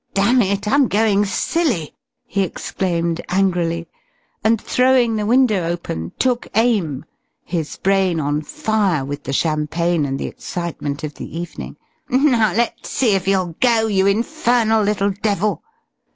"Damn it! I'm going silly!" he exclaimed angrily, and throwing the window open took aim, his brain on fire with the champagne and the excitement of the evening. "Now let's see if you'll go, you infernal little devil!"